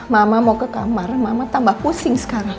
mama mau ke kamar mama tambah pusing sekarang